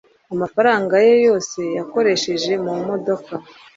amafaranga ye yose yakoresheje mumodoka